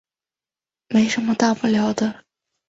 没什么大不了的